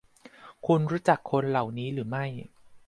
คุณรู้จักคนเหล่านี้หรือไม่